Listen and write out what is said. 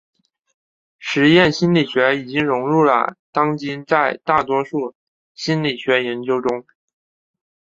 实验心理学已经融入了当今的大多数心理学研究中。